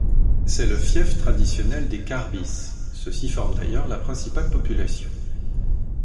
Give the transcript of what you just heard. C'est le fief traditionnel des Karbis, ceux-ci forment d'ailleurs la principale population.